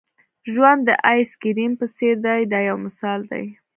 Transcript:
ژوند د آیس کریم په څېر دی دا یو مثال دی.